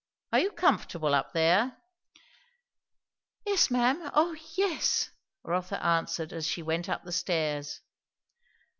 Are you comfortable up there?" "Yes, ma'am O yes!" Rotha answered as she went up the stairs.